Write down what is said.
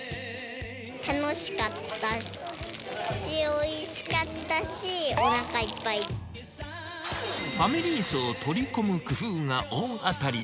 楽しかったし、おいしかったファミリー層を取り込む工夫が大当たり。